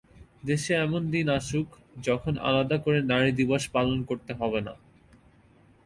দেশে এমন দিন আসুক, যখন আলাদা করে নারী দিবস পালন করতে হবে না।